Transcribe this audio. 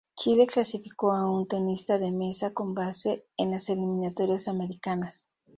Chile clasificó a un tenista de mesa con base en las eliminatorias americanas.